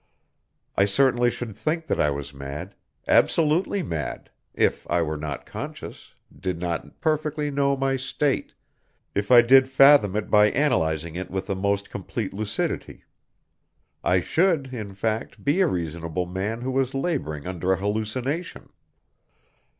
I certainly should think that I was mad, absolutely mad, if I were not conscious, did not perfectly know my state, if I did fathom it by analyzing it with the most complete lucidity. I should, in fact, be a reasonable man who was laboring under a hallucination.